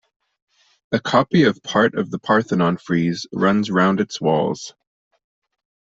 A copy of part of the Parthenon frieze runs round its walls.